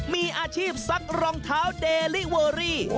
มีอาชีพซักรองเท้าเดลิเวอรี่